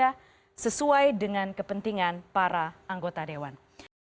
dan tentu saja sesuai dengan kepentingan para anggota dewan